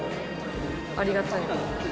ありがたいです。